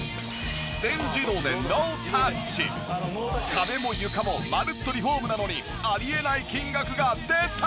壁も床もまるっとリフォームなのにあり得ない金額が出た！